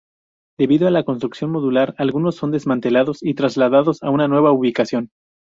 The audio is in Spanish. Debido a la construcción modular, algunos son desmantelados y trasladados a una nueva ubicación.